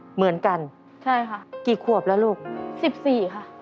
เหมือนกันใช่ค่ะกี่ขวบแล้วลูกสิบสี่ค่ะ